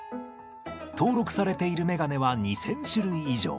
登録されている眼鏡は２，０００種類以上。